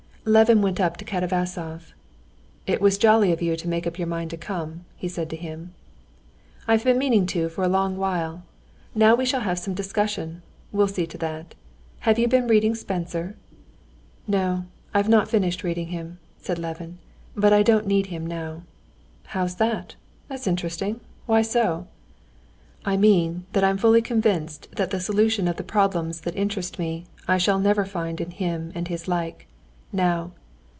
Levin went up to Katavasov. "It was jolly of you to make up your mind to come," he said to him. "I've been meaning to a long while. Now we shall have some discussion, we'll see to that. Have you been reading Spencer?" "No, I've not finished reading him," said Levin. "But I don't need him now." "How's that? that's interesting. Why so?" "I mean that I'm fully convinced that the solution of the problems that interest me I shall never find in him and his like. Now...."